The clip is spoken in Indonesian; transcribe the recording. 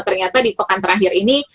ternyata di pekan terakhir ini